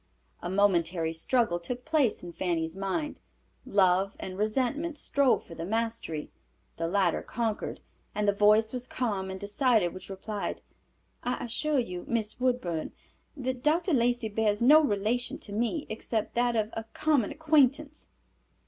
A momentary struggle took place in Fanny's mind. Love and resentment strove for the mastery. The latter conquered, and the voice was calm and decided which replied, "I assure you, Miss Woodburn, that Dr. Lacey bears no relation to me except that of a common acquaintance."